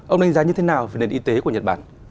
ông đánh giá như thế nào về nền y tế của nhật bản